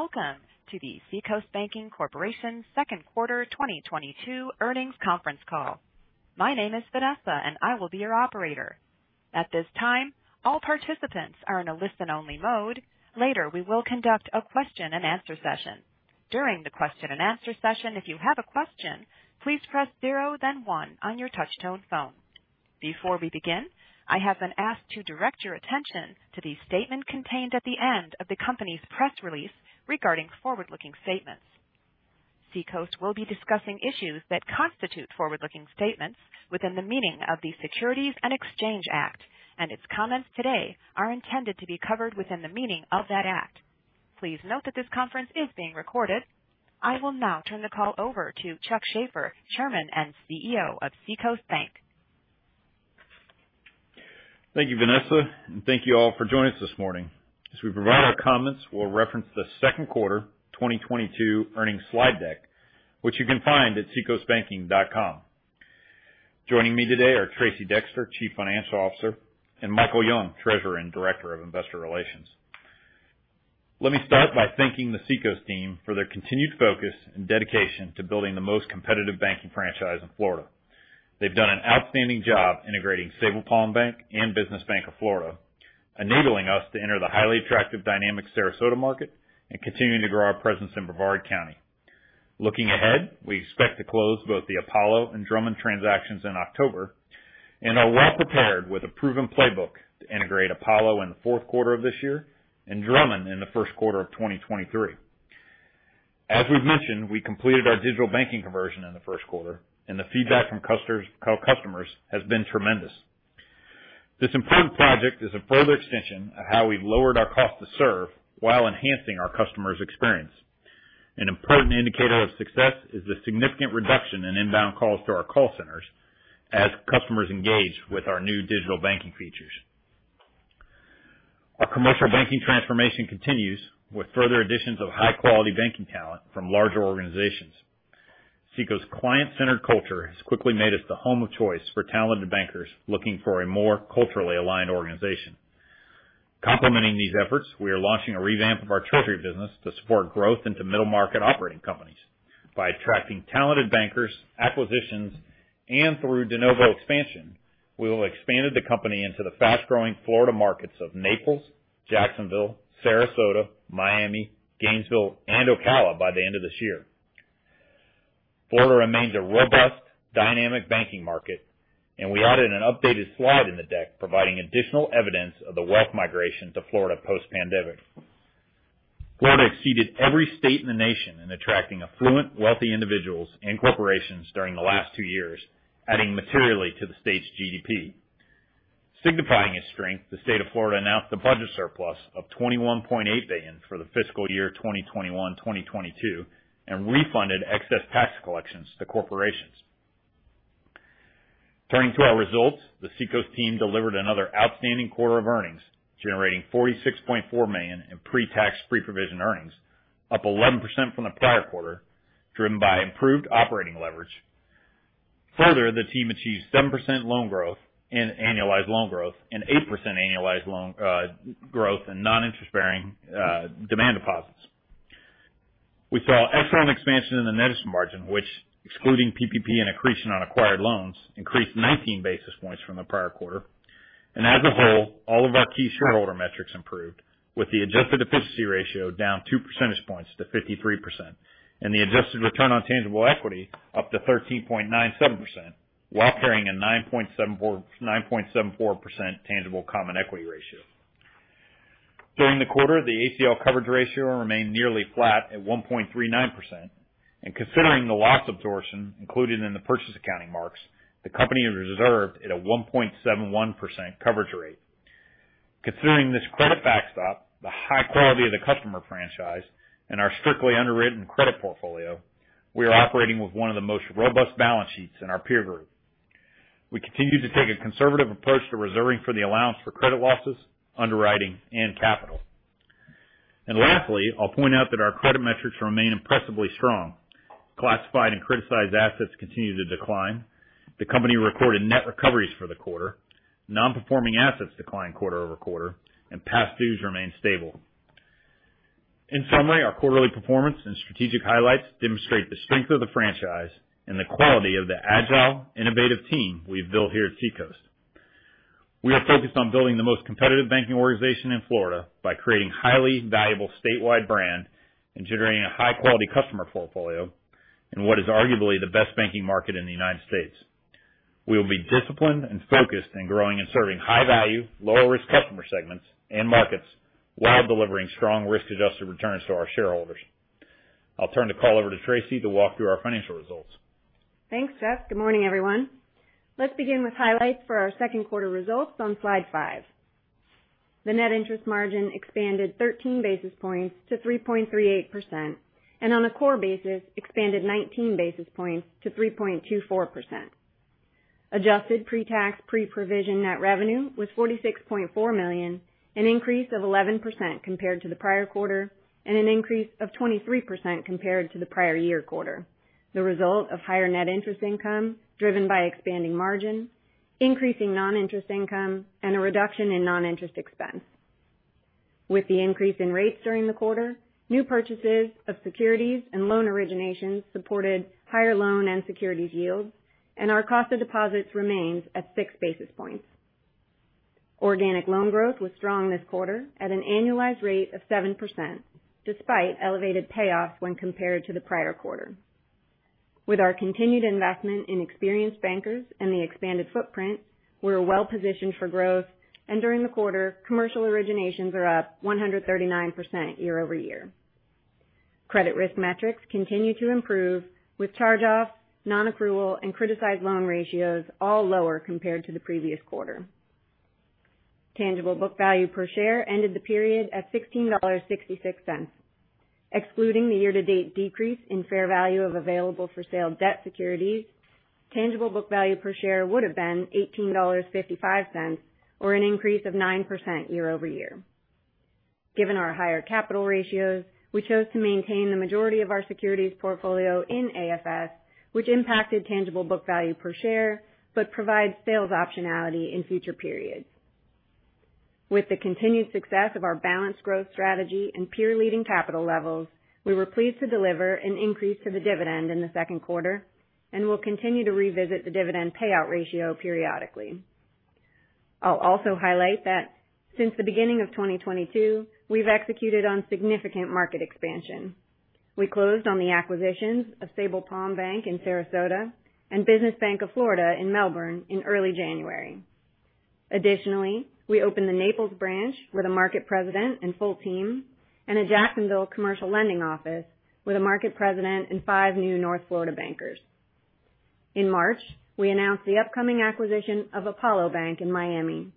Welcome to the Seacoast Banking Corporation second quarter 2022 earnings conference call. My name is Vanessa, and I will be your operator. At this time, all participants are in a listen only mode. Later, we will conduct a question and answer session. During the question and answer session, if you have a question, please press zero then one on your touch-tone phone. Before we begin, I have been asked to direct your attention to the statement contained at the end of the company's press release regarding forward-looking statements. Seacoast will be discussing issues that constitute forward-looking statements within the meaning of the Securities and Exchange Act, and its comments today are intended to be covered within the meaning of that act. Please note that this conference is being recorded. I will now turn the call over to Charles Shaffer, Chairman and CEO of Seacoast Bank. Thank you, Vanessa, and thank you all for joining us this morning. As we provide our comments, we'll reference the second quarter 2022 earnings slide deck, which you can find at seacoastbanking.com. Joining me today are Tracey Dexter, Chief Financial Officer, and Michael Young, Treasurer and Director of Investor Relations. Let me start by thanking the Seacoast team for their continued focus and dedication to building the most competitive banking franchise in Florida. They've done an outstanding job integrating Sabal Palm Bank and Business Bank of Florida, enabling us to enter the highly attractive dynamic Sarasota market and continuing to grow our presence in Brevard County. Looking ahead, we expect to close both the Apollo and Drummond transactions in October and are well prepared with a proven playbook to integrate Apollo in the fourth quarter of this year and Drummond in the first quarter of 2023. As we've mentioned, we completed our digital banking conversion in the first quarter, and the feedback from customers has been tremendous. This important project is a further extension of how we've lowered our cost to serve while enhancing our customers' experience. An important indicator of success is the significant reduction in inbound calls to our call centers as customers engage with our new digital banking features. Our commercial banking transformation continues with further additions of high-quality banking talent from larger organizations. Seacoast's client-centered culture has quickly made us the home of choice for talented bankers looking for a more culturally aligned organization. Complementing these efforts, we are launching a revamp of our treasury business to support growth into middle-market operating companies. By attracting talented bankers, acquisitions, and through de novo expansion, we have expanded the company into the fast-growing Florida markets of Naples, Jacksonville, Sarasota, Miami, Gainesville, and Ocala by the end of this year. Florida remains a robust, dynamic banking market, and we added an updated slide in the deck providing additional evidence of the wealth migration to Florida post-pandemic. Florida exceeded every state in the nation in attracting affluent, wealthy individuals and corporations during the last two years, adding materially to the state's GDP. Signifying its strength, the state of Florida announced a budget surplus of $21.8 billion for the fiscal year 2021-2022, and refunded excess tax collections to corporations. Turning to our results, the Seacoast team delivered another outstanding quarter of earnings, generating $46.4 million in pre-tax, pre-provision earnings, up 11% from the prior quarter, driven by improved operating leverage. Further, the team achieved 7% loan growth in annualized loan growth and 8% annualized loan growth in non-interest-bearing demand deposits. We saw excellent expansion in the net interest margin which, excluding PPP and accretion on acquired loans, increased 19 basis points from the prior quarter. As a whole, all of our key shareholder metrics improved, with the adjusted efficiency ratio down 2 percentage points to 53% and the adjusted return on tangible equity up to 13.97% while carrying a 9.74% tangible common equity ratio. During the quarter, the ACL coverage ratio remained nearly flat at 1.39%. Considering the loss absorption included in the purchase accounting marks, the company is reserved at a 1.71% coverage rate. Considering this credit backstop, the high quality of the customer franchise and our strictly underwritten credit portfolio, we are operating with one of the most robust balance sheets in our peer group. We continue to take a conservative approach to reserving for the allowance for credit losses, underwriting, and capital. Lastly, I'll point out that our credit metrics remain impressively strong. Classified and criticized assets continue to decline. The company recorded net recoveries for the quarter. Non-performing assets declined quarter-over-quarter. Past dues remain stable. In summary, our quarterly performance and strategic highlights demonstrate the strength of the franchise and the quality of the agile, innovative team we've built here at Seacoast. We are focused on building the most competitive banking organization in Florida by creating highly valuable statewide brand, engineering a high-quality customer portfolio in what is arguably the best banking market in the United States. We will be disciplined and focused in growing and serving high-value, lower risk customer segments and markets while delivering strong risk-adjusted returns to our shareholders. I'll turn the call over to Tracey to walk through our financial results. Thanks, Chuck. Good morning, everyone. Let's begin with highlights for our second quarter results on slide five. The net interest margin expanded 13 basis points to 3.38%, and on a core basis expanded 19 basis points to 3.24%. Adjusted pre-tax, pre-provision net revenue was $46.4 million, an increase of 11% compared to the prior quarter, and an increase of 23% compared to the prior year quarter. The result of higher net interest income, driven by expanding margin. Increasing non-interest income and a reduction in non-interest expense. With the increase in rates during the quarter, new purchases of securities and loan originations supported higher loan and securities yields, and our cost of deposits remains at 6 basis points. Organic loan growth was strong this quarter at an annualized rate of 7%, despite elevated payoffs when compared to the prior quarter. With our continued investment in experienced bankers and the expanded footprint, we're well positioned for growth. During the quarter, commercial originations are up 139% year-over-year. Credit risk metrics continue to improve with charge-offs, non-accrual, and criticized loan ratios all lower compared to the previous quarter. Tangible book value per share ended the period at $16.66. Excluding the year-to-date decrease in fair value of available-for-sale debt securities, tangible book value per share would have been $18.55, or an increase of 9% year-over-year. Given our higher capital ratios, we chose to maintain the majority of our securities portfolio in AFS, which impacted tangible book value per share but provides sales optionality in future periods. With the continued success of our balanced growth strategy and peer-leading capital levels, we were pleased to deliver an increase to the dividend in the second quarter, and we'll continue to revisit the dividend payout ratio periodically. I'll also highlight that since the beginning of 2022, we've executed on significant market expansion. We closed on the acquisitions of Sabal Palm Bank in Sarasota and Business Bank of Florida in Melbourne in early January. Additionally, we opened the Naples branch with a market president and full team, and a Jacksonville commercial lending office with a market president and five new North Florida bankers. In March, we announced the upcoming acquisition of Apollo Bank in Miami.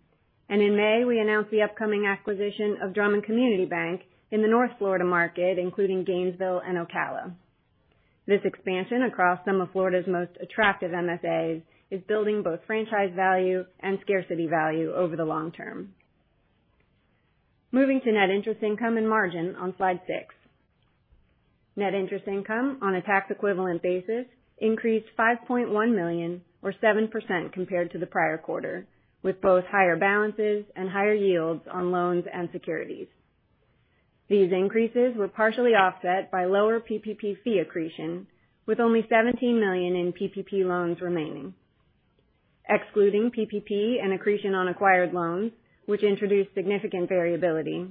In May, we announced the upcoming acquisition of Drummond Community Bank in the North Florida market, including Gainesville and Ocala. This expansion across some of Florida's most attractive MSAs is building both franchise value and scarcity value over the long term. Moving to net interest income and margin on slide six. Net interest income on a tax equivalent basis increased $5.1 million or 7% compared to the prior quarter, with both higher balances and higher yields on loans and securities. These increases were partially offset by lower PPP fee accretion, with only $17 million in PPP loans remaining. Excluding PPP and accretion on acquired loans, which introduced significant variability,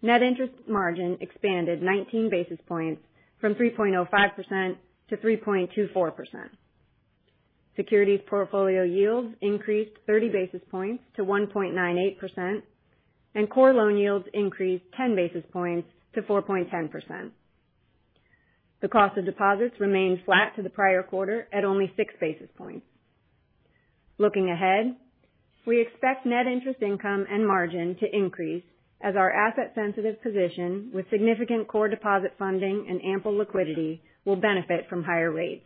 net interest margin expanded 19 basis points from 3.05%-3.24%. Securities portfolio yields increased 30 basis points to 1.98%, and core loan yields increased 10 basis points to 4.10%. The cost of deposits remained flat to the prior quarter at only 6 basis points. Looking ahead, we expect net interest income and margin to increase as our asset-sensitive position with significant core deposit funding and ample liquidity will benefit from higher rates.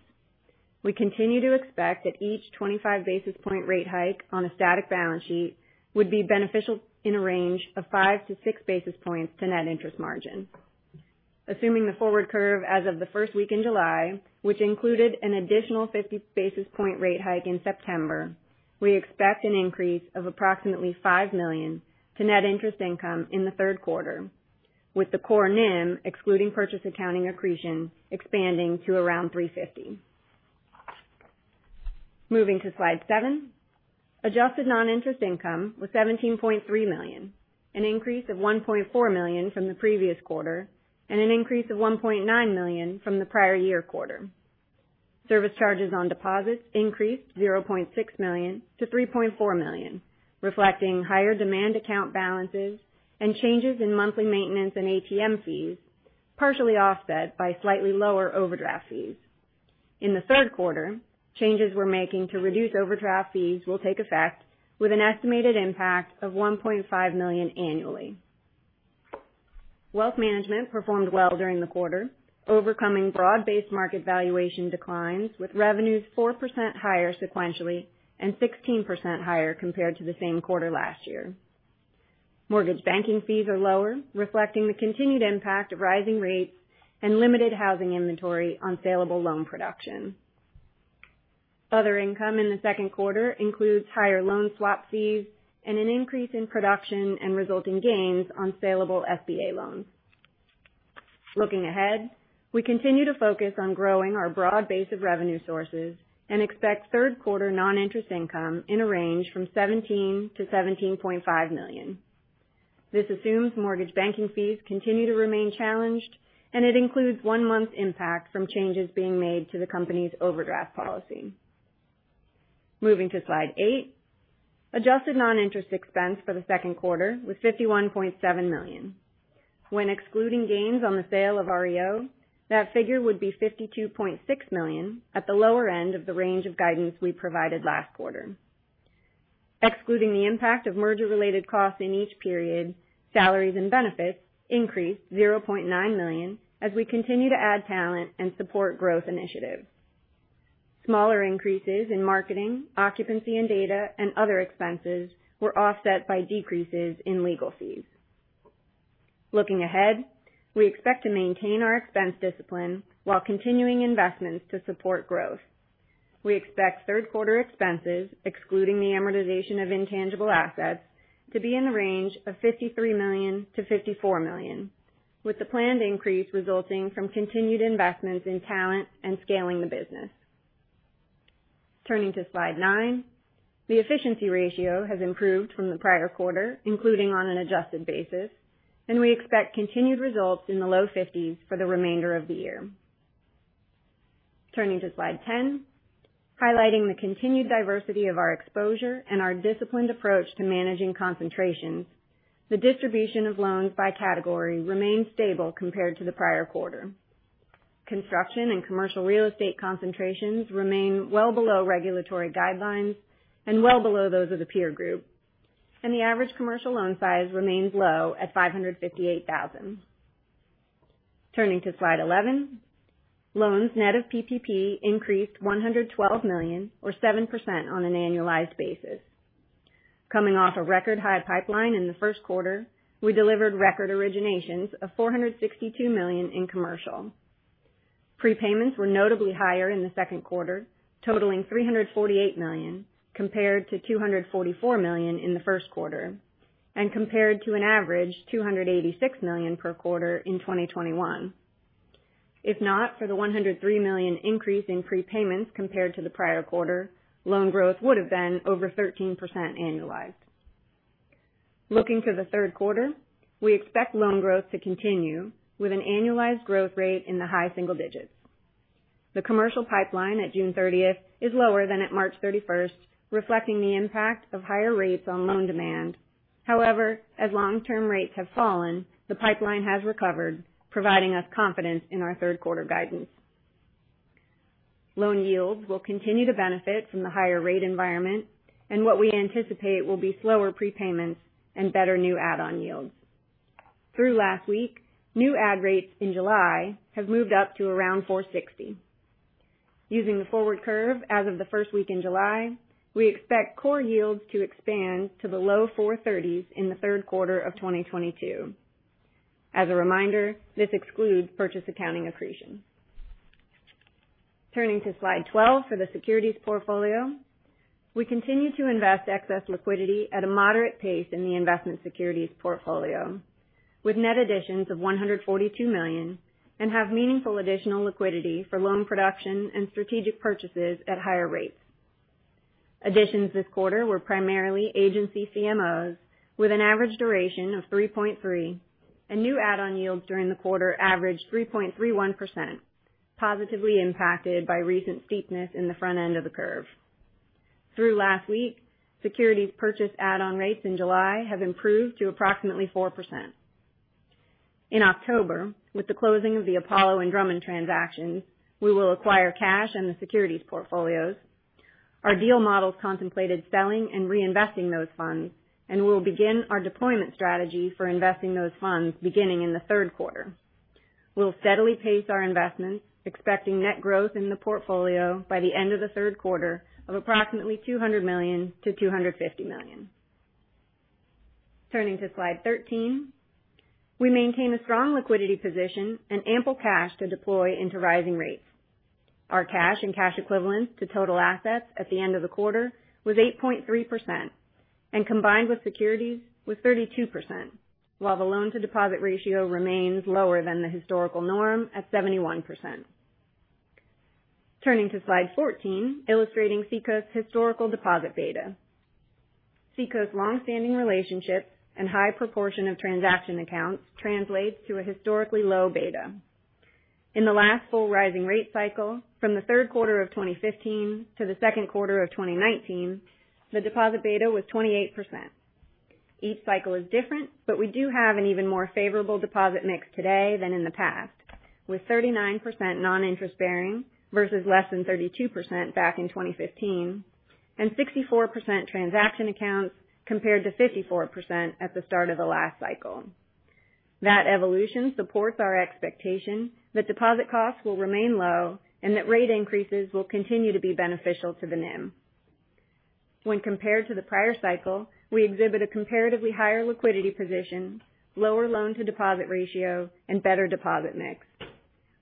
We continue to expect that each 25 basis point rate hike on a static balance sheet would be beneficial in a range of 5 basis points to 6 basis points to net interest margin. Assuming the forward curve as of the first week in July, which included an additional 50 basis point rate hike in September, we expect an increase of approximately $5 million to net interest income in the third quarter, with the core NIM, excluding purchase accounting accretion, expanding to around 3.50%. Moving to slide seven. Adjusted non-interest income was $17.3 million, an increase of $1.4 million from the previous quarter and an increase of $1.9 million from the prior year quarter. Service charges on deposits increased $0.6 million-$3.4 million, reflecting higher demand account balances and changes in monthly maintenance and ATM fees, partially offset by slightly lower overdraft fees. In the third quarter, changes we're making to reduce overdraft fees will take effect with an estimated impact of $1.5 million annually. Wealth management performed well during the quarter, overcoming broad-based market valuation declines with revenues 4% higher sequentially and 16% higher compared to the same quarter last year. Mortgage banking fees are lower, reflecting the continued impact of rising rates and limited housing inventory on saleable loan production. Other income in the second quarter includes higher loan swap fees and an increase in production and resulting gains on saleable SBA loans. Looking ahead, we continue to focus on growing our broad base of revenue sources and expect third quarter non-interest income in a range from $17 million-$17.5 million. This assumes mortgage banking fees continue to remain challenged, and it includes one month's impact from changes being made to the company's overdraft policy. Moving to slide eight. Adjusted non-interest expense for the second quarter was $51.7 million. When excluding gains on the sale of REO, that figure would be $52.6 million at the lower end of the range of guidance we provided last quarter. Excluding the impact of merger-related costs in each period, salaries and benefits increased $0.9 million as we continue to add talent and support growth initiatives. Smaller increases in marketing, occupancy and data and other expenses were offset by decreases in legal fees. Looking ahead, we expect to maintain our expense discipline while continuing investments to support growth. We expect third quarter expenses, excluding the amortization of intangible assets, to be in the range of $53 million-$54 million, with the planned increase resulting from continued investments in talent and scaling the business. Turning to slide nine, the efficiency ratio has improved from the prior quarter, including on an adjusted basis, and we expect continued results in the low 50s for the remainder of the year. Turning to slide 10, highlighting the continued diversity of our exposure and our disciplined approach to managing concentrations, the distribution of loans by category remains stable compared to the prior quarter. Construction and commercial real estate concentrations remain well below regulatory guidelines and well below those of the peer group, and the average commercial loan size remains low at $558,000. Turning to slide 11, loans net of PPP increased $112 million or 7% on an annualized basis. Coming off a record high pipeline in the first quarter, we delivered record originations of $462 million in commercial. Prepayments were notably higher in the second quarter, totaling $348 million compared to $244 million in the first quarter, and compared to an average $286 million per quarter in 2021. If not for the $103 million increase in prepayments compared to the prior quarter, loan growth would have been over 13% annualized. Looking to the third quarter, we expect loan growth to continue with an annualized growth rate in the high single digits. The commercial pipeline at June 30th is lower than at March 31st, reflecting the impact of higher rates on loan demand. However, as long-term rates have fallen, the pipeline has recovered, providing us confidence in our third quarter guidance. Loan yields will continue to benefit from the higher rate environment and what we anticipate will be slower prepayments and better new add-on yields. Through last week, new add rates in July have moved up to around 4.60. Using the forward curve as of the first week in July, we expect core yields to expand to the low 4.30s in the third quarter of 2022. As a reminder, this excludes purchase accounting accretion. Turning to slide 12 for the securities portfolio. We continue to invest excess liquidity at a moderate pace in the investment securities portfolio with net additions of $142 million and have meaningful additional liquidity for loan production and strategic purchases at higher rates. Additions this quarter were primarily agency CMOs with an average duration of 3.3%, and new add-on yields during the quarter averaged 3.31%, positively impacted by recent steepness in the front end of the curve. Through last week, securities purchase add-on rates in July have improved to approximately 4%. In October, with the closing of the Apollo and Drummond transactions, we will acquire cash in the securities portfolios. Our deal models contemplated selling and reinvesting those funds, and we will begin our deployment strategy for investing those funds beginning in the third quarter. We'll steadily pace our investments, expecting net growth in the portfolio by the end of the third quarter of approximately $200 million-$250 million. Turning to slide 13, we maintain a strong liquidity position and ample cash to deploy into rising rates. Our cash and cash equivalents to total assets at the end of the quarter was 8.3%, and combined with securities was 32%, while the loan to deposit ratio remains lower than the historical norm at 71%. Turning to slide 14, illustrating Seacoast's historical deposit beta. Seacoast's long-standing relationships and high proportion of transaction accounts translates to a historically low beta. In the last full rising rate cycle, from the third quarter of 2015 to the second quarter of 2019, the deposit beta was 28%. Each cycle is different, but we do have an even more favorable deposit mix today than in the past, with 39% non-interest bearing versus less than 32% back in 2015 and 64% transaction accounts compared to 54% at the start of the last cycle. That evolution supports our expectation that deposit costs will remain low and that rate increases will continue to be beneficial to the NIM. When compared to the prior cycle, we exhibit a comparatively higher liquidity position, lower loan to deposit ratio, and better deposit mix.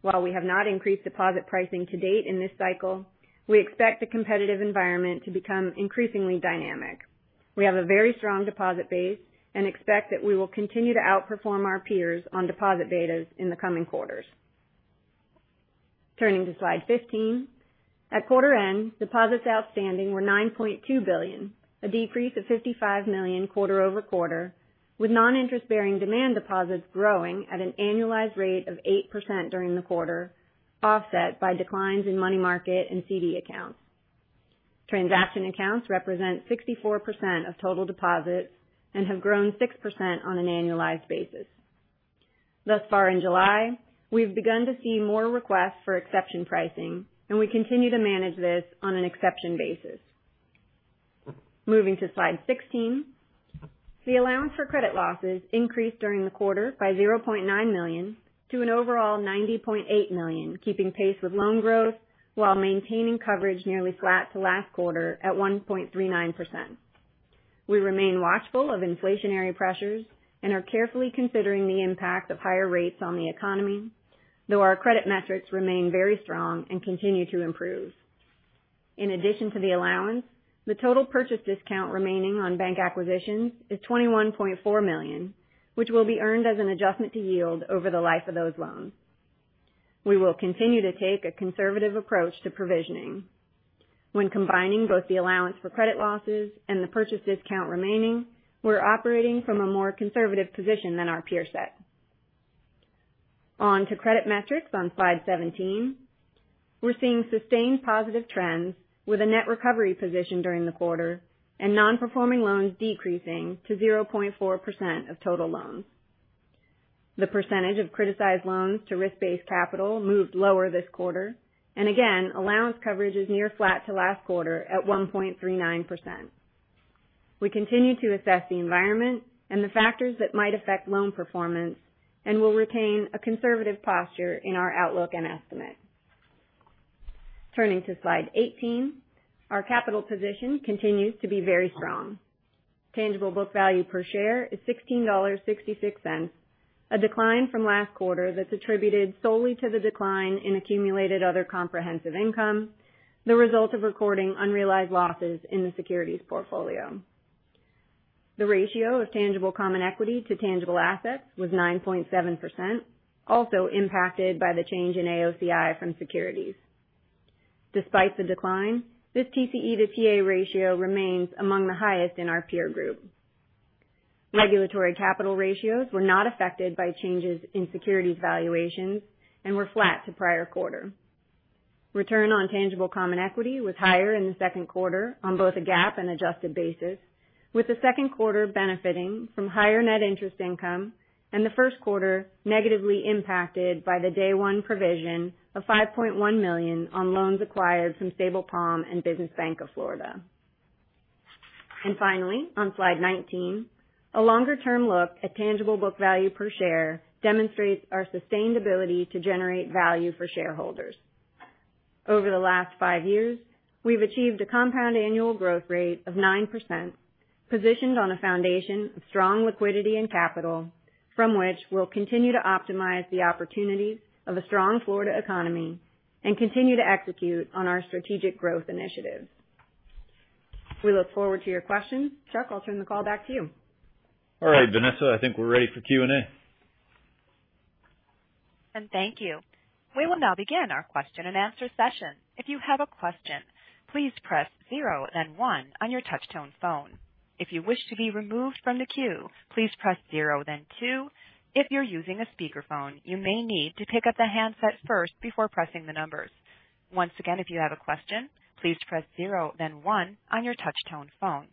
While we have not increased deposit pricing to date in this cycle, we expect the competitive environment to become increasingly dynamic. We have a very strong deposit base and expect that we will continue to outperform our peers on deposit betas in the coming quarters. Turning to slide 15, at quarter end, deposits outstanding were $9.2 billion, a decrease of $55 million quarter-over-quarter, with non-interest bearing demand deposits growing at an annualized rate of 8% during the quarter, offset by declines in money market and CD accounts. Transaction accounts represent 64% of total deposits and have grown 6% on an annualized basis. Thus far in July, we've begun to see more requests for exception pricing, and we continue to manage this on an exception basis. Moving to slide 16, the allowance for credit losses increased during the quarter by $0.9 million to an overall $90.8 million, keeping pace with loan growth while maintaining coverage nearly flat to last quarter at 1.39%. We remain watchful of inflationary pressures and are carefully considering the impact of higher rates on the economy, though our credit metrics remain very strong and continue to improve. In addition to the allowance, the total purchase discount remaining on bank acquisitions is $21.4 million, which will be earned as an adjustment to yield over the life of those loans. We will continue to take a conservative approach to provisioning. When combining both the allowance for credit losses and the purchase discount remaining, we're operating from a more conservative position than our peer set. On to credit metrics on slide 17. We're seeing sustained positive trends with a net recovery position during the quarter and non-performing loans decreasing to 0.4% of total loans. The percentage of criticized loans to risk-based capital moved lower this quarter, and again, allowance coverage is near flat to last quarter at 1.39%. We continue to assess the environment and the factors that might affect loan performance and will retain a conservative posture in our outlook and estimate. Turning to slide 18. Our capital position continues to be very strong. Tangible book value per share is $16.66, a decline from last quarter that's attributed solely to the decline in accumulated other comprehensive income, the result of recording unrealized losses in the securities portfolio. The ratio of tangible common equity to tangible assets was 9.7%, also impacted by the change in AOCI from securities. Despite the decline, this TCE to TA ratio remains among the highest in our peer group. Regulatory capital ratios were not affected by changes in securities valuations and were flat to prior quarter. Return on tangible common equity was higher in the second quarter on both a GAAP and adjusted basis, with the second quarter benefiting from higher net interest income and the first quarter negatively impacted by the day one provision of $5.1 million on loans acquired from Sabal Palm and Business Bank of Florida. On slide 19, a longer term look at tangible book value per share demonstrates our sustainability to generate value for shareholders. Over the last five years, we've achieved a compound annual growth rate of 9%, positioned on a foundation of strong liquidity and capital from which we'll continue to optimize the opportunity of a strong Florida economy and continue to execute on our strategic growth initiatives. We look forward to your questions. Chuck, I'll turn the call back to you. All right, Vanessa, I think we're ready for Q&A. Thank you. We will now begin our question and answer session. If you have a question, please press zero then one on your touch-tone phone. If you wish to be removed from the queue, please press zero then two. If you're using a speakerphone, you may need to pick up the handset first before pressing the numbers. Once again, if you have a question, please press zero then one on your touch-tone phone.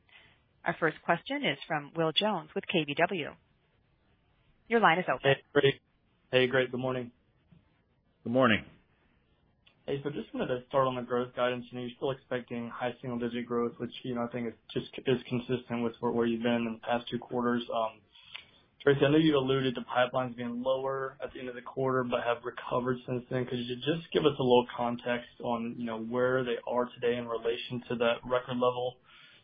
Our first question is from Will Jones with KBW. Your line is open. Hey, great. Good morning. Good morning. Hey, just wanted to start on the growth guidance. You know, you're still expecting high single digit growth, which, you know, I think is consistent with where you've been in the past two quarters. Tracey, I know you've alluded to pipelines being lower at the end of the quarter, but have recovered since then. Could you just give us a little context on, you know, where they are today in relation to that record level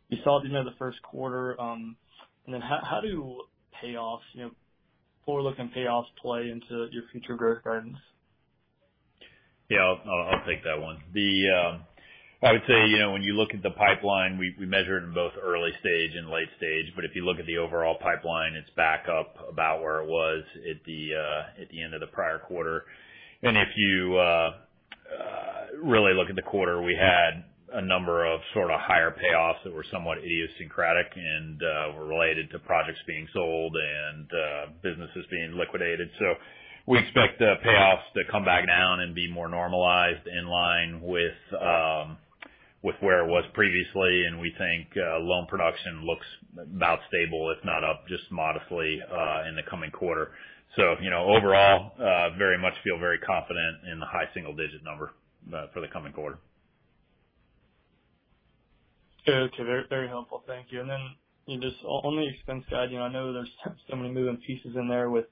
you saw at the end of the first quarter? Then how do payoffs, you know, forward-looking payoffs play into your future growth guidance? Yeah, I'll take that one. I would say, you know, when you look at the pipeline, we measure it in both early stage and late stage, but if you look at the overall pipeline, it's back up about where it was at the end of the prior quarter. If you really look at the quarter, we had a number of sort of higher payoffs that were somewhat idiosyncratic and were related to projects being sold and businesses being liquidated. We expect the payoffs to come back down and be more normalized in line with where it was previously. We think loan production looks about stable, if not up just modestly, in the coming quarter. You know, overall, very much feel very confident in the high single digit number for the coming quarter. Okay. Very, very helpful. Thank you. Then just on the expense guide, you know, I know there's so many moving pieces in there with,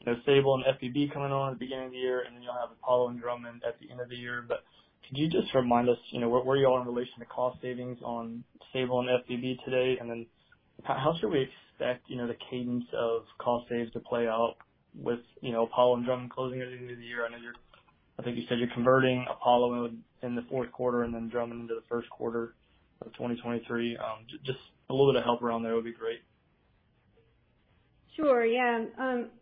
you know, Sabal and BBF coming on at the beginning of the year, and then you'll have Apollo and Drummond at the end of the year. Could you just remind us, you know, where you are in relation to cost savings on Sabal and BBF today? Then how should we expect, you know, the cadence of cost saves to play out with, you know, Apollo and Drummond closing at the end of the year? I think you said you're converting Apollo in the fourth quarter and then Drummond into the first quarter of 2023. Just a little bit of help around there would be great. Sure, yeah.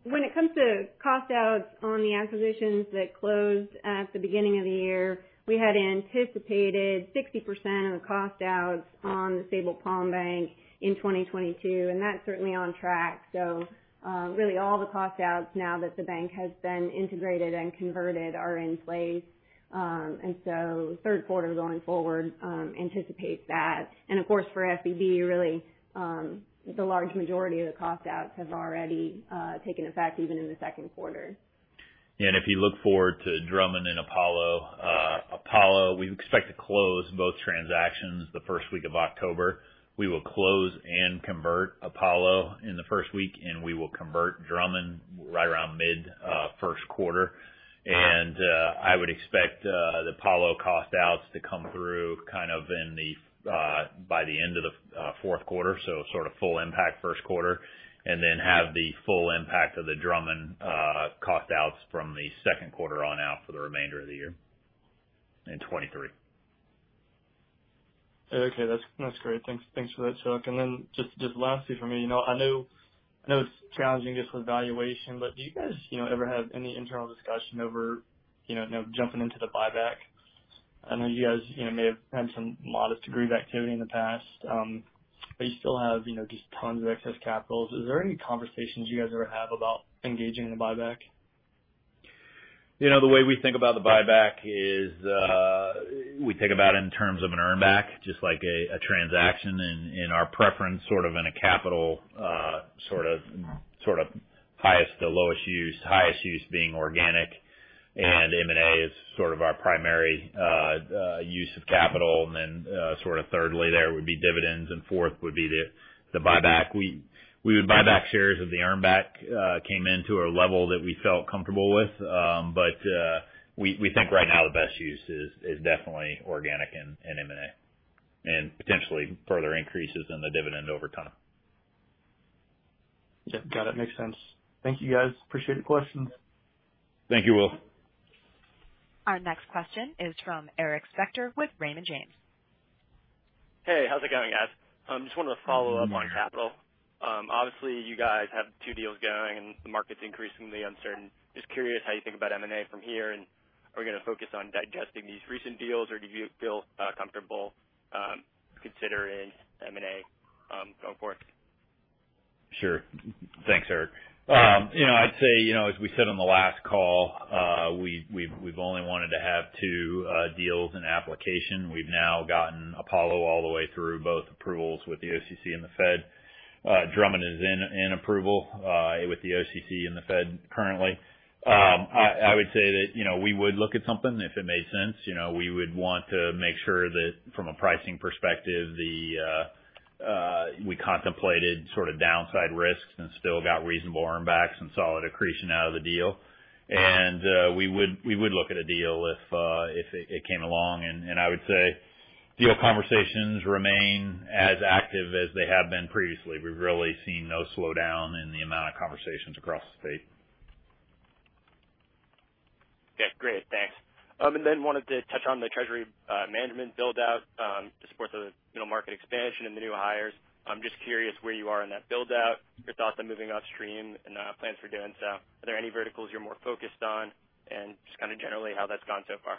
When it comes to cost outs on the acquisitions that closed at the beginning of the year, we had anticipated 60% of the cost outs on the Sabal Palm Bank in 2022, and that's certainly on track. Really all the cost outs now that the bank has been integrated and converted are in place. Third quarter going forward, anticipate that. Of course, for BBF, really, the large majority of the cost outs have already taken effect even in the second quarter. If you look forward to Drummond and Apollo, we expect to close both transactions the first week of October. We will close and convert Apollo in the first week, and we will convert Drummond right around mid-first quarter. I would expect the Apollo cost outs to come through kind of by the end of the fourth quarter, so sort of full impact first quarter. Then have the full impact of the Drummond cost outs from the second quarter on out for the remainder of the year in 2023. That's great. Thanks for that, Chuck. Just lastly for me, you know, I know it's challenging just with valuation, but do you guys, you know, ever have any internal discussion over, you know, jumping into the buyback? I know you guys, you know, may have had some modest degree of activity in the past, but you still have, you know, just tons of excess capitals. Is there any conversations you guys ever have about engaging in buyback? You know, the way we think about the buyback is, we think about it in terms of an earn back, just like a transaction in our preference sort of in a capital sort of highest to lowest use. Highest use being organic and M&A is sort of our primary use of capital. Then, sort of thirdly there would be dividends, and fourth would be the buyback. We would buy back shares if the earn back came into a level that we felt comfortable with. But we think right now the best use is definitely organic and M&A, and potentially further increases in the dividend over time. Yep. Got it. Makes sense. Thank you, guys. Appreciate it. Questions. Thank you, Will. Our next question is from Eric Spector with Raymond James. Hey, how's it going, guys? Just wanted to follow up on capital. Obviously, you guys have two deals going and the market's increasingly uncertain. Just curious how you think about M&A from here, and are we gonna focus on digesting these recent deals, or do you feel comfortable considering M&A going forward? Sure. Thanks, Eric. You know, I'd say, you know, as we said on the last call, we've only wanted to have two deals in application. We've now gotten Apollo all the way through both approvals with the OCC and the Fed. Drummond is in approval with the OCC and the Fed currently. I would say that, you know, we would look at something and if it made sense, you know, we would want to make sure that from a pricing perspective, we contemplated sort of downside risks and still got reasonable earn backs and solid accretion out of the deal. We would look at a deal if it came along. I would say deal conversations remain as active as they have been previously. We've really seen no slowdown in the amount of conversations across the state. Okay. Great. Thanks. Wanted to touch on the treasury management build out to support the middle market expansion and the new hires. I'm just curious where you are in that build out, your thoughts on moving upstream and plans for doing so. Are there any verticals you're more focused on? Just kinda generally how that's gone so far.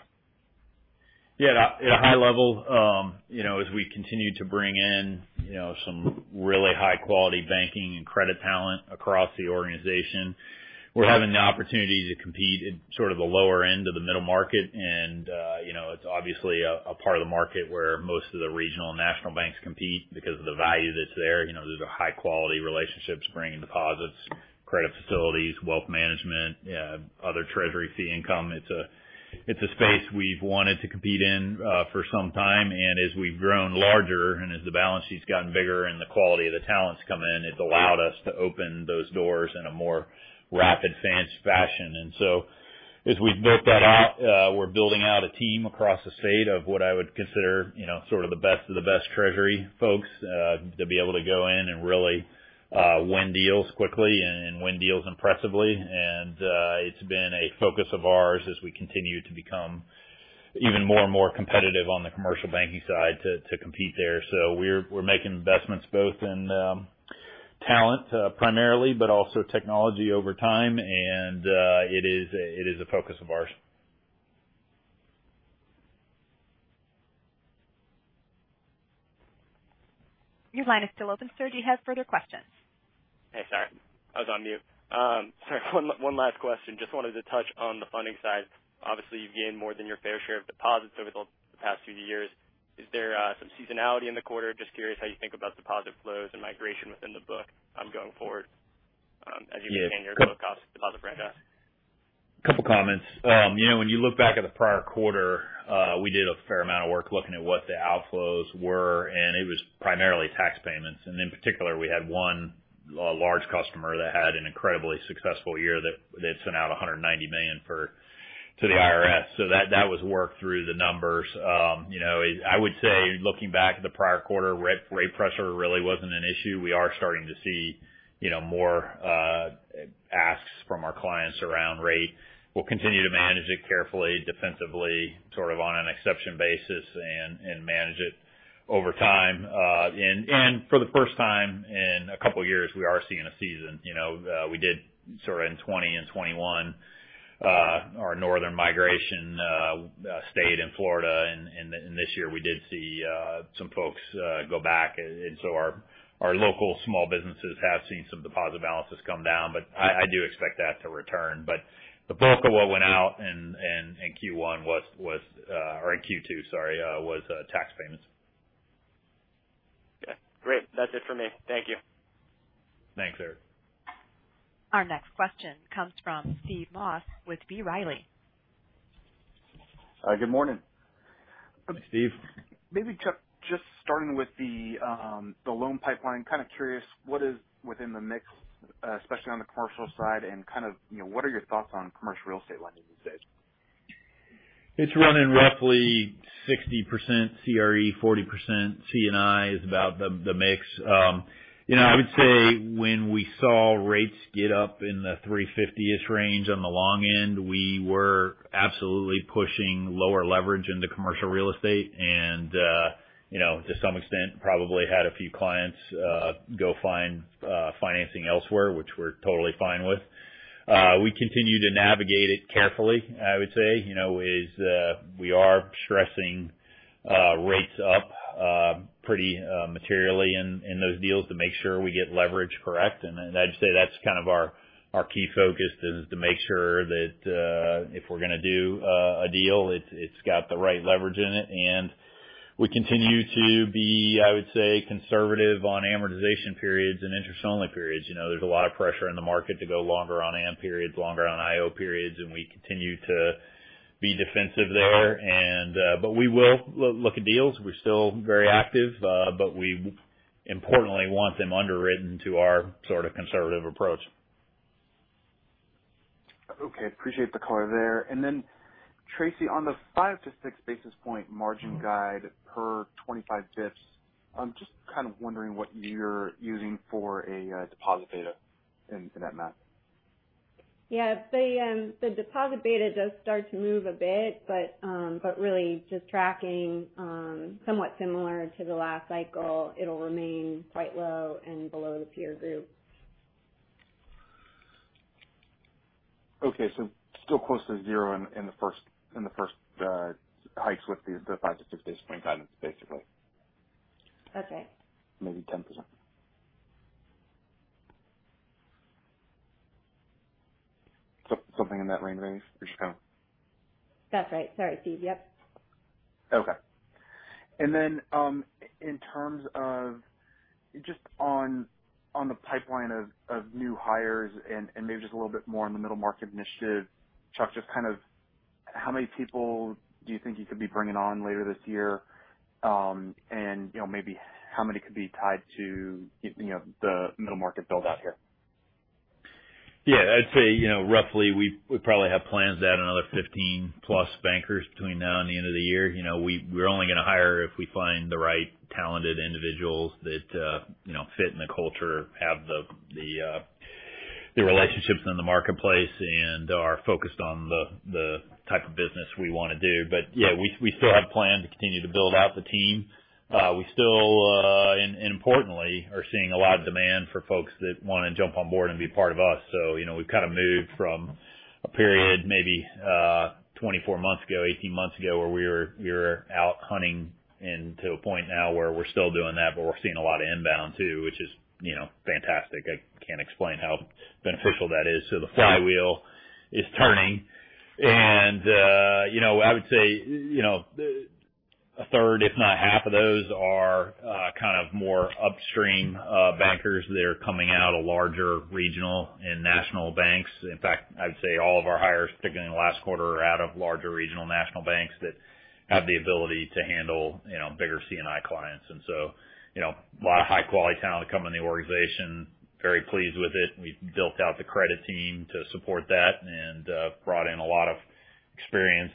Yeah. At a high level, you know, as we continue to bring in, you know, some really high quality banking and credit talent across the organization, we're having the opportunity to compete at sort of the lower end of the middle market. You know, it's obviously a part of the market where most of the regional and national banks compete because of the value that's there. You know, those are high quality relationships bringing deposits, credit facilities, wealth management, other treasury fee income. It's a space we've wanted to compete in, for some time. As we've grown larger and as the balance sheet's gotten bigger and the quality of the talent's come in, it's allowed us to open those doors in a more rapid, fast fashion. As we've built that out, we're building out a team across the state of what I would consider, you know, sort of the best of the best treasury folks to be able to go in and really win deals quickly and win deals impressively. It's been a focus of ours as we continue to become even more and more competitive on the commercial banking side to compete there. We're making investments both in talent primarily, but also technology over time. It is a focus of ours. Your line is still open, sir. Do you have further questions? Hey, sorry. I was on mute. Sorry. One last question. Just wanted to touch on the funding side. Obviously, you've gained more than your fair share of deposits over the past few years. Is there some seasonality in the quarter? Just curious how you think about deposit flows and migration within the book, going forward, as you expand your low cost deposit franchise. Couple comments. You know, when you look back at the prior quarter, we did a fair amount of work looking at what the outflows were, and it was primarily tax payments. In particular, we had one large customer that had an incredibly successful year that they've sent out $190 million for to the IRS. That was worked through the numbers. You know, I would say looking back at the prior quarter, rate pressure really wasn't an issue. We are starting to see, you know, more asks from our clients around rate. We'll continue to manage it carefully, defensively, sort of on an exception basis and manage it over time. For the first time in a couple years, we are seeing a season. You know, we did sort of in 2020 and 2021 our northern migration stayed in Florida. This year we did see some folks go back. Our local small businesses have seen some deposit balances come down, but I do expect that to return. The bulk of what went out in Q1, or in Q2, sorry, was tax payments. Great. That's it for me. Thank you. Thanks, Eric. Our next question comes from Steve Moss with B. Riley. Good morning. Steve. Maybe, Chuck, just starting with the loan pipeline, kind of curious what is within the mix, especially on the commercial side and kind of, you know, what are your thoughts on commercial real estate lending these days? It's running roughly 60% CRE, 40% C&I is about the mix. You know, I would say when we saw rates get up in the 3.50-ish range on the long end, we were absolutely pushing lower leverage into commercial real estate and, you know, to some extent probably had a few clients go find financing elsewhere, which we're totally fine with. We continue to navigate it carefully, I would say, you know, we are stressing rates up pretty materially in those deals to make sure we get leverage correct. I'd say that's kind of our key focus is to make sure that, if we're gonna do a deal, it's got the right leverage in it. We continue to be, I would say, conservative on amortization periods and interest only periods. You know, there's a lot of pressure in the market to go longer on AM periods, longer on IO periods, and we continue to be defensive there. But we will look at deals. We're still very active, but we importantly want them underwritten to our sort of conservative approach. Okay. Appreciate the color there. Then, Tracey, on the 5 basis points to 6 basis points margin guide per 25 basis points, I'm just kind of wondering what you're using for a deposit beta in that math. Yeah. The deposit beta does start to move a bit, but really just tracking somewhat similar to the last cycle, it'll remain quite low and below the peer group. Okay. Still close to zero in the first hikes with the 5 basis points to 6 basis points guidance, basically. That's right. Maybe 10%? Something in that range, maybe? Or you don't know. That's right. Sorry, Steve. Yep. Okay. In terms of just on the pipeline of new hires and maybe just a little bit more on the middle market initiative, Chuck, just kind of how many people do you think you could be bringing on later this year? You know, maybe how many could be tied to, you know, the middle market build out here? Yeah, I'd say roughly we probably have plans to add another 15+ bankers between now and the end of the year. We're only gonna hire if we find the right talented individuals that fit in the culture, have the relationships in the marketplace and are focused on the type of business we wanna do. Yeah, we still have plan to continue to build out the team. We still and importantly are seeing a lot of demand for folks that wanna jump on board and be part of us. You know, we've kind of moved from a period maybe 24 months ago, 18 months ago, where we were out hunting and to a point now where we're still doing that, but we're seeing a lot of inbound too, which is, you know, fantastic. I can't explain how beneficial that is. The flywheel is turning. You know, I would say a third if not half of those are kind of more upstream bankers that are coming out of larger regional and national banks. In fact, I would say all of our hires, particularly in the last quarter, are out of larger regional national banks that have the ability to handle, you know, bigger C&I clients. You know, a lot of high quality talent to come in the organization, very pleased with it. We've built out the credit team to support that and brought in a lot of experienced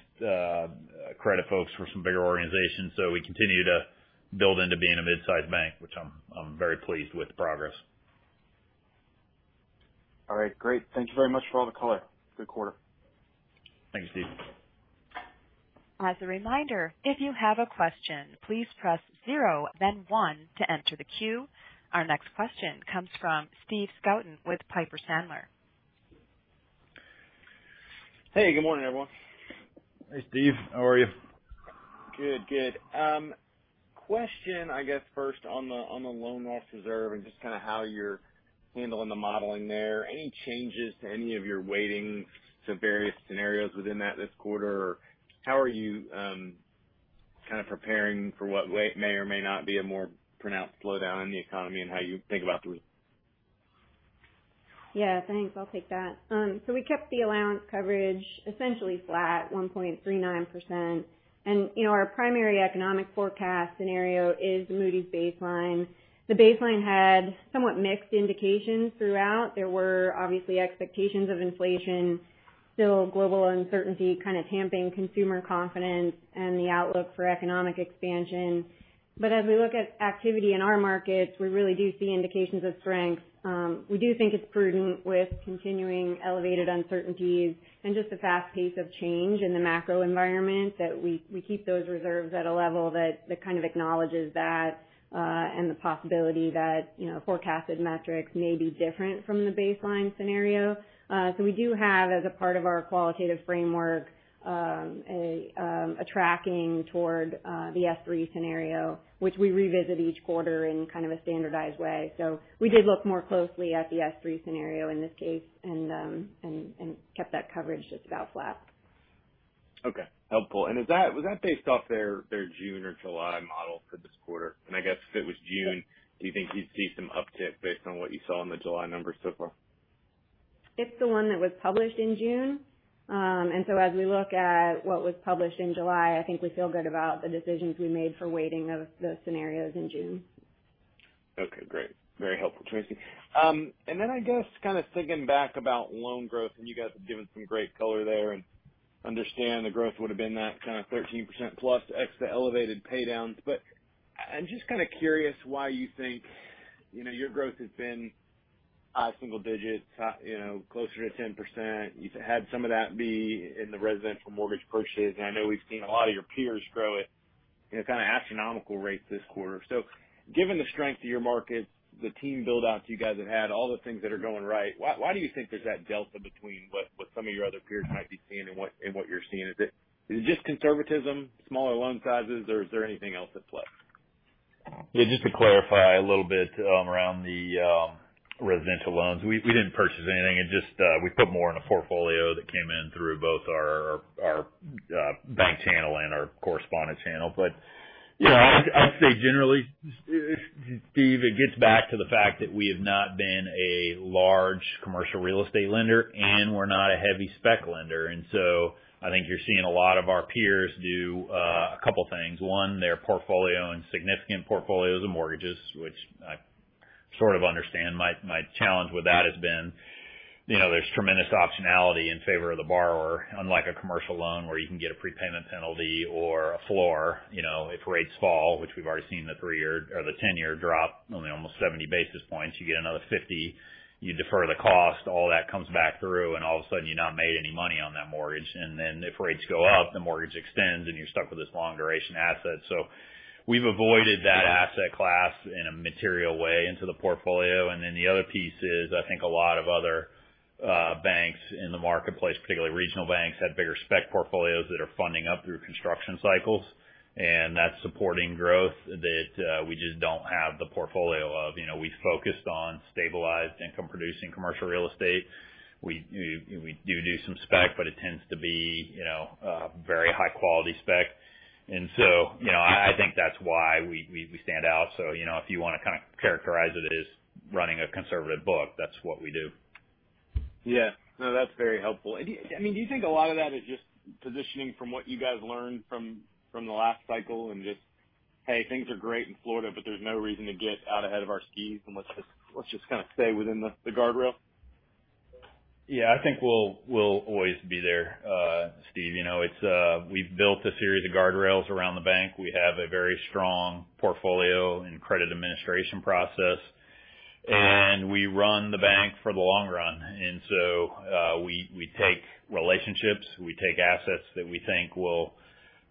credit folks for some bigger organizations. We continue to build into being a mid-sized bank, which I'm very pleased with the progress. All right, great. Thank you very much for all the color. Good quarter. Thanks, Steve. As a reminder, if you have a question, please press zero then one to enter the queue. Our next question comes from Stephen Scouten with Piper Sandler. Hey, good morning, everyone. Hey, Steve. How are you? Good. Question, I guess first on the loan loss reserve and just kind of how you're handling the modeling there. Any changes to any of your weightings to various scenarios within that this quarter? How are you kind of preparing for what may or may not be a more pronounced slowdown in the economy and how you think about the risk? Yeah, thanks. I'll take that. So we kept the allowance coverage essentially flat, 1.39%. You know, our primary economic forecast scenario is Moody's baseline. The baseline had somewhat mixed indications throughout. There were obviously expectations of inflation, still global uncertainty kind of tamping consumer confidence and the outlook for economic expansion. As we look at activity in our markets, we really do see indications of strength. We do think it's prudent with continuing elevated uncertainties and just the fast pace of change in the macro environment that we keep those reserves at a level that kind of acknowledges that, and the possibility that, you know, forecasted metrics may be different from the baseline scenario. We do have, as a part of our qualitative framework, a tracking toward the S3 scenario, which we revisit each quarter in kind of a standardized way. We did look more closely at the S3 scenario in this case and kept that coverage just about flat. Okay, helpful. Is that, was that based off their June or July model for this quarter? I guess if it was June, do you think you'd see some uptick based on what you saw in the July numbers so far? It's the one that was published in June. As we look at what was published in July, I think we feel good about the decisions we made for weighting of the scenarios in June. Okay, great. Very helpful, Tracey. And then I guess kind of thinking back about loan growth, and you guys have given some great color there and understand the growth would have been that kind of 13% plus x, the elevated pay downs. I'm just kind of curious why you think, you know, your growth has been high single digits, you know, closer to 10%. You've had some of that be in the residential mortgage purchases. I know we've seen a lot of your peers grow it in a kind of astronomical rate this quarter. Given the strength of your markets, the team build out you guys have had, all the things that are going right, why do you think there's that delta between what some of your other peers might be seeing and what you're seeing? Is it just conservatism, smaller loan sizes, or is there anything else at play? Yeah, just to clarify a little bit around the residential loans. We didn't purchase anything. It just we put more in a portfolio that came in through both our bank channel and our correspondent channel. You know, I'd say generally, Steve, it gets back to the fact that we have not been a large commercial real estate lender, and we're not a heavy spec lender. I think you're seeing a lot of our peers do a couple things. One, their portfolio and significant portfolios of mortgages, which I sort of understand. My challenge with that has been, you know, there's tremendous optionality in favor of the borrower. Unlike a commercial loan where you can get a prepayment penalty or a floor, you know, if rates fall, which we've already seen the three-year or the 10-year drop only almost 70 basis points, you get another 50 basis points, you defer the cost, all that comes back through, and all of a sudden you've not made any money on that mortgage. If rates go up, the mortgage extends and you're stuck with this long duration asset. We've avoided that asset class in a material way into the portfolio. The other piece is, I think a lot of other banks in the marketplace, particularly regional banks, have bigger spec portfolios that are funding up through construction cycles. That's supporting growth that we just don't have the portfolio of. You know, we focused on stabilized income producing commercial real estate. We do some spec, but it tends to be, you know, a very high quality spec. You know, if you wanna kinda characterize it as running a conservative book, that's what we do. Yeah. No, that's very helpful. Do you, I mean, do you think a lot of that is just positioning from what you guys learned from the last cycle and just, "Hey, things are great in Florida, but there's no reason to get out ahead of our skis and let's just kinda stay within the guardrail? Yeah, I think we'll always be there, Steve. You know, it's, we've built a series of guardrails around the bank. We have a very strong portfolio and credit administration process, and we run the bank for the long run. We take relationships, we take assets that we think will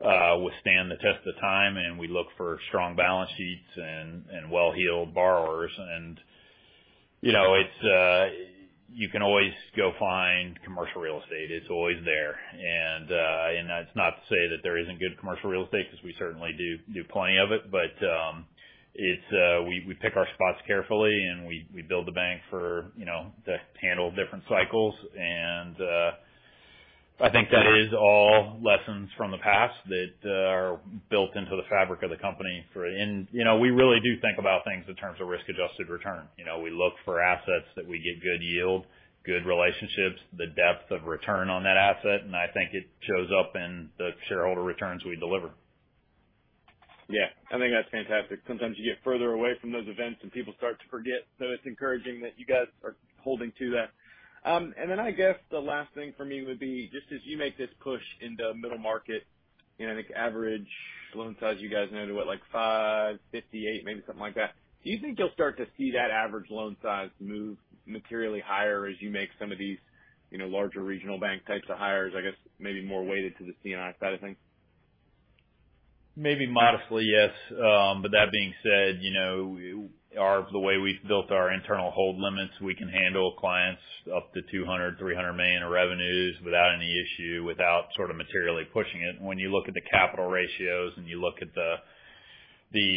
withstand the test of time, and we look for strong balance sheets and well-heeled borrowers. You know, it's, you can always go find commercial real estate. It's always there. That's not to say that there isn't good commercial real estate, 'cause we certainly do plenty of it. It's, we pick our spots carefully, and we build the bank for, you know, to handle different cycles. I think that is all lessons from the past that are built into the fabric of the company. You know, we really do think about things in terms of risk-adjusted return. You know, we look for assets that we get good yield, good relationships, the depth of return on that asset, and I think it shows up in the shareholder returns we deliver. Yeah, I think that's fantastic. Sometimes you get further away from those events and people start to forget, so it's encouraging that you guys are holding to that. I guess the last thing for me would be just as you make this push into middle market, you know, I think average loan size you guys know to what? Like 558, maybe something like that. Do you think you'll start to see that average loan size move materially higher as you make some of these, you know, larger regional bank types of hires, I guess maybe more weighted to the C&I side of things? Maybe modestly, yes. But that being said, you know, the way we've built our internal hold limits, we can handle clients up to $200 million-$300 million in revenues without any issue, without sort of materially pushing it. When you look at the capital ratios and you look at the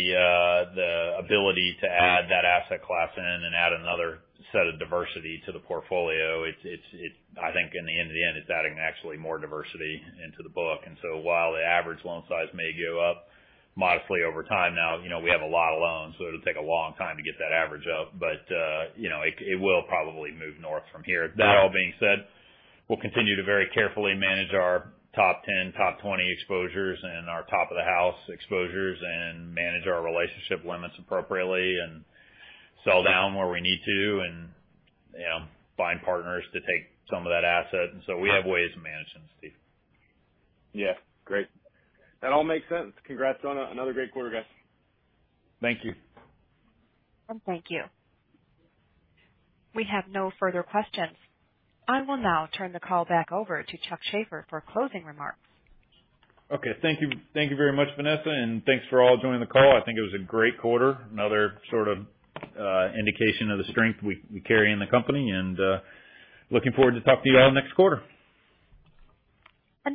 ability to add that asset class in and add another set of diversity to the portfolio, it's, I think, in the end, it's adding actually more diversity into the book. While the average loan size may go up modestly over time, now, you know, we have a lot of loans, so it'll take a long time to get that average up. You know, it will probably move north from here. That all being said, we'll continue to very carefully manage our top 10, top 20 exposures and our top of the house exposures and manage our relationship limits appropriately and sell down where we need to and, you know, find partners to take some of that asset. We have ways of managing, Steve. Yeah. Great. That all makes sense. Congrats on another great quarter, guys. Thank you. Thank you. We have no further questions. I will now turn the call back over to Charles Shaffer for closing remarks. Okay. Thank you. Thank you very much, Vanessa, and thanks for all joining the call. I think it was a great quarter. Another sort of indication of the strength we carry in the company and looking forward to talk to you all next quarter.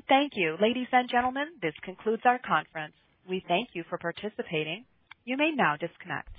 Thank you. Ladies and gentlemen, this concludes our conference. We thank you for participating. You may now disconnect.